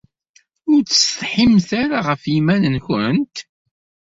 Ur tessetḥimt ara ɣef yiman-nkent?